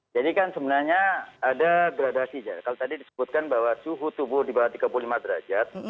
jadi kan sebenarnya ada gradasi kalau tadi disebutkan bahwa suhu tubuh di bawah tiga puluh lima derajat